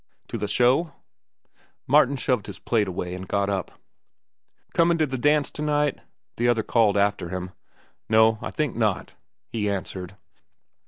"To the show?" Martin shoved his plate away and got up. "Comin' to the dance to night?" the other called after him. "No, I think not," he answered.